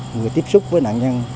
người tiếp xúc với nạn nhân